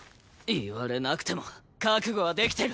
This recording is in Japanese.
言われなくても覚悟はできてる！